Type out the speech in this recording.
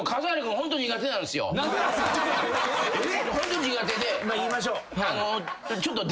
ホント苦手で。